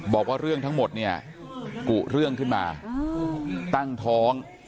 บอกว่าเรื่องทั้งหมดเนี่ยกุเรื่องขึ้นมาตั้งท้อง